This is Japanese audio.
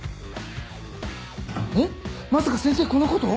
えっまさか先生このこと？